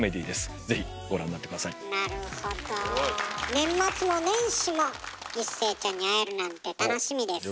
年末も年始も一生ちゃんに会えるなんて楽しみですね。